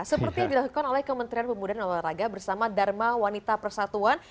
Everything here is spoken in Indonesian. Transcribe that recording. seperti yang dilakukan oleh kementerian pemuda dan olahraga bersama dharma wanita persatuan